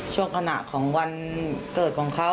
ช่วงขณะของวันเกิดของเขา